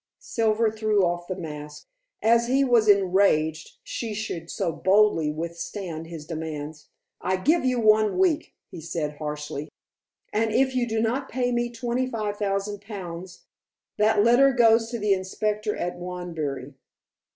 Silver threw off the mask, as he was enraged she should so boldly withstand his demands. "I give you one week," he said harshly. "And, if you do not pay me twenty five thousand pounds, that letter goes to the inspector at Wanbury."